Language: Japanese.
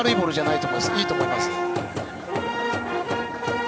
いいと思います。